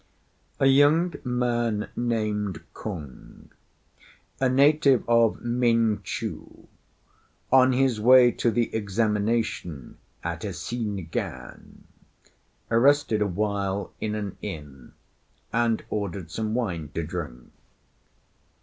A young man named Kung, a native of Min chou, on his way to the examination at Hsi ngan, rested awhile in an inn, and ordered some wine to drink.